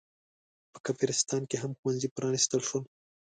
په کافرستان کې هم ښوونځي پرانستل شول.